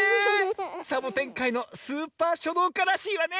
サボテンかいのスーパーしょどうからしいわね！